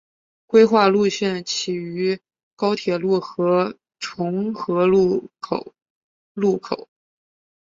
规划路线起于高铁路和重和路口路口。